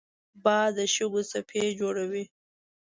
باد د شګو څپې جوړوي